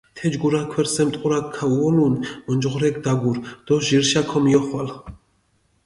თეჯგურა ქვერსემ ტყურაქ ქაუოლუნ, ონჯღორექ დაგურჷ დო ჟირშა ქომიოხვალ.